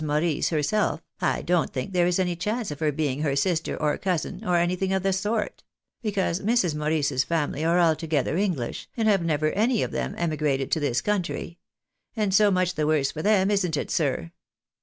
Morrice herself, I don't think there is any chance of her being her sister, or cousin, or anything of that sort ; because Mrs. Morrice's family are altogether English, and have never any of them emi grated to this country ; and so much the worse for them, isn't it, sir